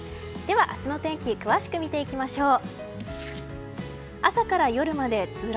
明日の天気詳しく見てきましょう。